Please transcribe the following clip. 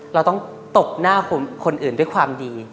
เราต้องตบหน้าคนอื่นด้วยความดี